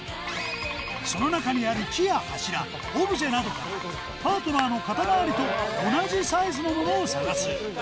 その中にある木や柱オブジェなどからパートナーの肩回りと同じサイズのモノを探す